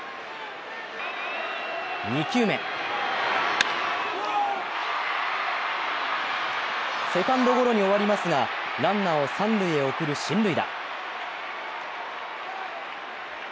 ２球目セカンドゴロに終わりますがランナーを三塁に送る進塁打。